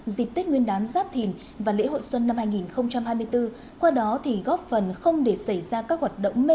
dịp tết nguyên đán giáp thìn và lễ hội xuân năm hai nghìn hai mươi bốn